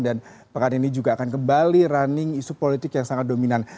dan pekan ini juga akan kembali running isu politik yang sangat dominan